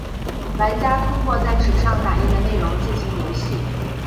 玩家通过在纸上打印的内容进行游戏。